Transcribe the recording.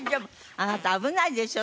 あなた危ないでしょ